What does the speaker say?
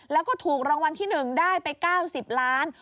แล้วก็ถูกรางวัลที่๑ได้ไป๙๐ล้าน